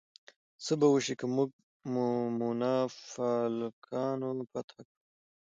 څه به وشي که موږ مونافالکانو فتح کړو؟